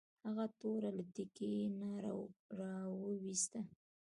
هغه توره له تیکي نه راویوسته.